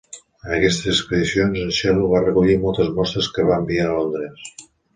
En aquestes expedicions, en Sellow va recollir moltes mostres que va enviar a Londres.